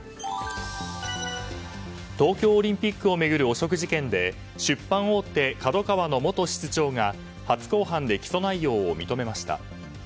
東京オリンピックを巡る汚職事件で出版大手ＫＡＤＯＫＡＷＡの元室長が初公判で起訴内容を認めました。